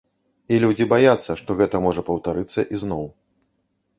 І людзі баяцца, што гэта можа паўтарыцца ізноў.